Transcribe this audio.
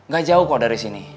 gak jauh kok dari sini